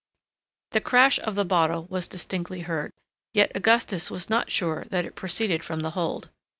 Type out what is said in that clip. The crash of the bottle was distinctly heard, yet Augustus was not sure that it proceeded from the hold.